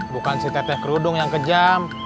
bukan si teteh kerudung yang kejam